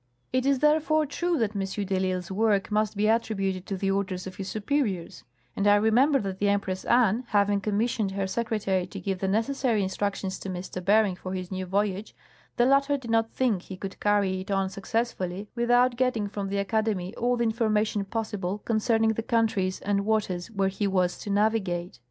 " It is therefore true that M. de I'lsle's work must be attributed to the orders of his superiors ; and I remember that the Empress Anne having commissioned her secretarj' to give the necessary instructions to M. Bering for his new voyage, the latter did not think he could carry it on success fully without getting from the Academy all the information possible con cerning the countries and waters where he was to navigate.